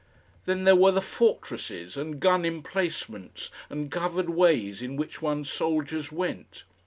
Then there were the fortresses and gun emplacements and covered ways in which one's soldiers went.